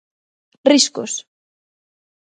Riscos?